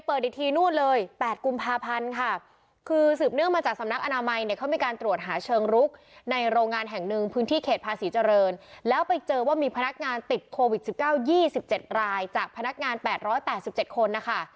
พื้นที่เขตภาษีเจริญแล้วไปเจอว่ามีพนักงานติดโควิด๑๙๒๗รายจากพนักงาน๘๘๗คนนะคะ